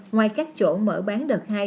ngoài các chỗ mở bán đợt hai